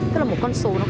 tức là một con số